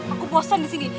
aku bosan disini